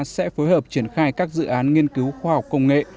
sẽ phối hợp triển khai các dự án nghiên cứu khoa học công nghệ